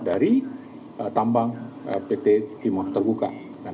dari tambang pt timah terbuka